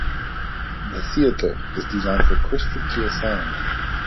The theater is designed for cyrstal clear sound.